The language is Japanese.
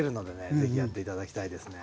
ぜひやって頂きたいですね。